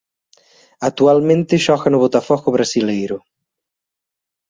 Actualmente xoga no Botafogo brasileiro.